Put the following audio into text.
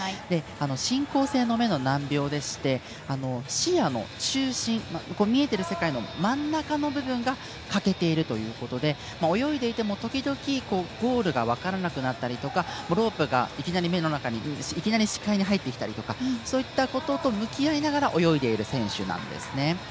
進行性の目の難病でして視野の中心、見えている世界の真ん中の部分が欠けているということで泳いでいても時々ゴールが分からなくなったりとかロープがいきなり視界に入ってきたりとかそういったことと向き合いながら泳いでいる選手なんですね。